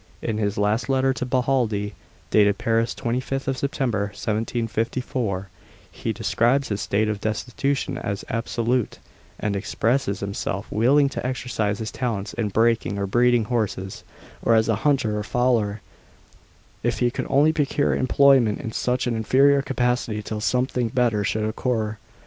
In his last letter to Bohaldie, dated Paris, 25th September 1754, he describes his state of destitution as absolute, and expresses himself willing to exercise his talents in breaking or breeding horses, or as a hunter or fowler, if he could only procure employment in such an inferior capacity till something better should occur.